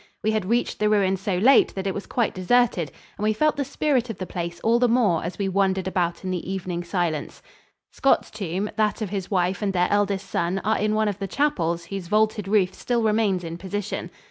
We had reached the ruin so late that it was quite deserted, and we felt the spirit of the place all the more as we wandered about in the evening silence. Scott's tomb, that of his wife and their eldest son are in one of the chapels whose vaulted roof still remains in position.